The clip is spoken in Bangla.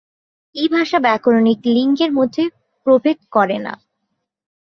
ই ভাষা ব্যাকরণিক লিঙ্গের মধ্যে প্রভেদ করেনা।